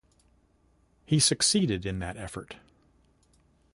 He succeeded in that effort.